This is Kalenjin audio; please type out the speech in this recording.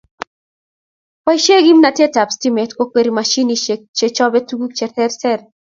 Boishei kimnatet ab stimet kokweri mashinishek che chobe tukuk che terter